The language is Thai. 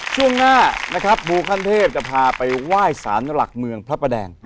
ช่วงหน้านะครับหมูคันเทพจะพาไปว่ายสารหลักเมืองพระแปดแหง